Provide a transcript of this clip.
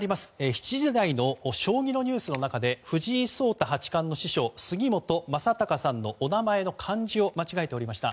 ７時台の将棋のニュースの中で藤井聡太八冠の師匠杉本昌隆さんのお名前の漢字を間違えておりました。